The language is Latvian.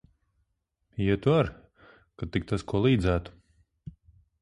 Ietu ar, kad tik tas ko līdzētu.